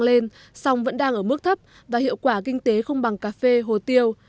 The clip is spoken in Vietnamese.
cây cao su tăng lên sông vẫn đang ở mức thấp và hiệu quả kinh tế không bằng cà phê hồ tiêu